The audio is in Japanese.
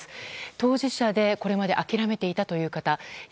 当事者でこれまで諦めていたという方今